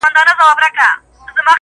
دې لېوني ماحول کي ووايه؛ پر چا مئين يم.